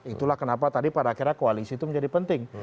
itulah kenapa tadi pada akhirnya koalisi itu menjadi penting